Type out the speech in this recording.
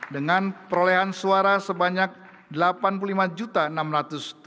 dengan perolehan suara sebanyak delapan puluh lima enam ratus tujuh puluh dua tiga ratus enam puluh dua suara